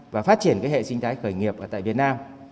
và phát triển cái hệ sinh thái khởi nghiệp tại việt nam